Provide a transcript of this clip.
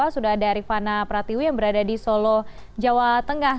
sudah ada rifana pratiwi yang berada di solo jawa tengah